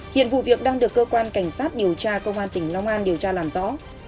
hiện vụ việc đang được cơ quan cảnh sát điều tra công an tỉnh long an điều tra làm rõ